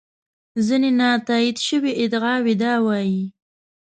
ځینې نا تایید شوې ادعاوې دا وایي.